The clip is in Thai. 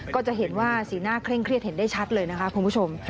ก็จะเห็นว่าสีหน้าเคร่งเครียดเห็นได้ชัดเลยนะคะคุณผู้ชม